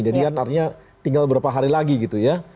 jadi artinya tinggal beberapa hari lagi gitu ya